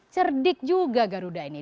cerdik juga garuda ini